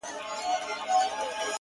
• نیمايی ډوډۍ یې نه وه لا خوړلې ,